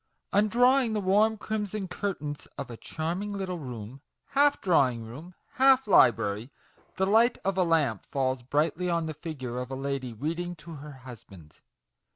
Undrawing the warm crimson curtains of a charming little room half drawing room, half library the light of a lamp falls brightly on the figure of a lady reading to her husband.